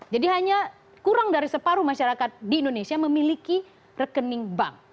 jadi hanya kurang dari separuh masyarakat di indonesia memiliki rekening bank